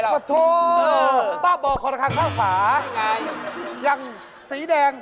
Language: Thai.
พระโทษป้าบอกคนขาดข้างข้างฝาอย่างสีแดง